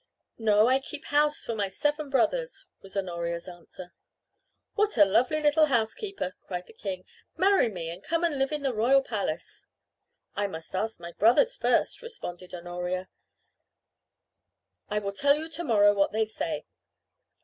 "No, I keep house for my seven brothers," was Honoria's answer. "What a lovely little housekeeper!" cried the king. "Marry me and come to live in the royal palace!" "I must ask my brothers first," responded Honoria. "I will tell you to morrow what they say."